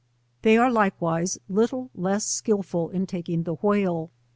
They are likewise little less skilful in taking the whale.